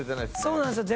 そうなんですよ。